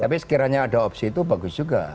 tapi sekiranya ada opsi itu bagus juga